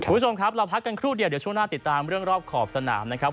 คุณผู้ชมครับเราพักกันครู่เดียวเดี๋ยวช่วงหน้าติดตามเรื่องรอบขอบสนามนะครับ